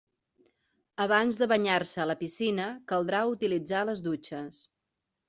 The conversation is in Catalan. Abans de banyar-se a la piscina caldrà utilitzar les dutxes.